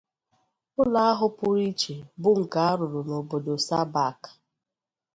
Ụlọ ahụ pụ́rụ́ iche bụ nke a rụrụ n'obodo Srbac